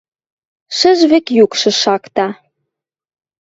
Шӹжвӹк юкшы шакта